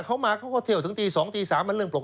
เขามาเขาก็เที่ยวถึงตี๒ตี๓มันเรื่องปกติ